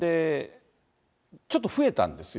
ちょっと増えたんですよ。